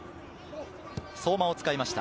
相馬を使いました。